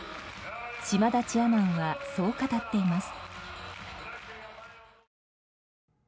島田チェアマンはそう語っています。